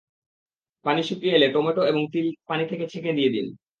পানি শুকিয়ে এলে টমেটো এবং তিল পানি থেকে ছেঁকে দিয়ে দিন।